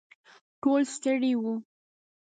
ټول ستړي وو.